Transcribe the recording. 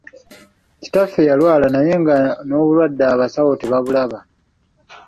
Kitaffe yalwala naye nga n’obulwadde abasawo tebabulaba.